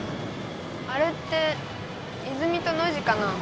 あれって泉とノジかな？